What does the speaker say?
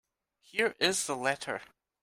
Here is the letter.